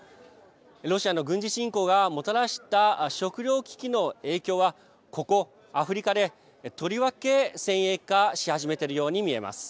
ロシアの軍事侵攻がもたらした食糧危機の影響はここ、アフリカでとりわけ、先鋭化し始めているように見えます。